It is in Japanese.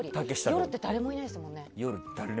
夜って誰もいないですもんね。